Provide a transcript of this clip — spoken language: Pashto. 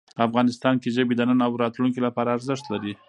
افغانستان کې ژبې د نن او راتلونکي لپاره ارزښت لري.